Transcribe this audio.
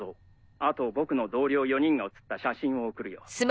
あと僕の同僚４人が写った写真を送るよ。